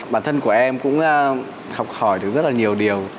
bản thân của em cũng học hỏi được rất là nhiều điều